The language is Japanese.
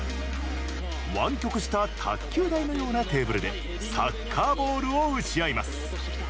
湾曲した卓球台のようなテーブルでサッカーボールを打ち合います。